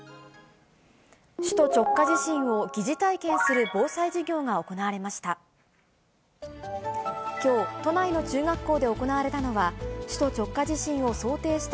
首都直下地震を疑似体験する防災授業が行われました。